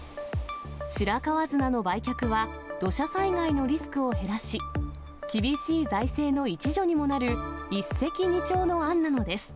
白川砂の売却は、土砂災害のリスクを減らし、厳しい財政の一助にもなる一石二鳥の案なのです。